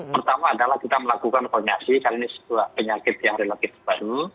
pertama adalah kita melakukan koordinasi karena ini sebuah penyakit yang relatif baru